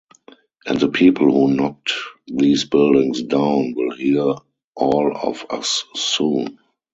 And the people who knocked these buildings down will hear all of us soon!